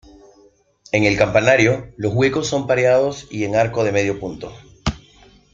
En el campanario los huecos son pareados y en arco de medio punto.